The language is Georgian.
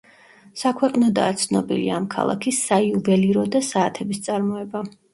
საქვეყნოდაა ცნობილი ამ ქალაქის საიუველირო და საათების წარმოება.